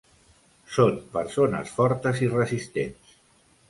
Són persones fortes i resistents.